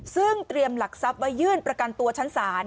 ซึ่งเตรียมหลักทรัพย์ไว้ยื่นประกันตัวชั้นศาล